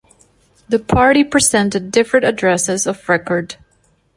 The party presented different addresses of record.